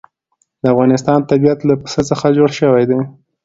د افغانستان طبیعت له پسه څخه جوړ شوی دی.